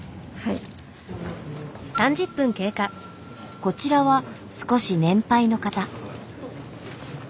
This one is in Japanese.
こちらは少し年配の方。